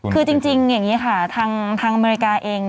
คือจริงอย่างนี้ค่ะทางอเมริกาเอง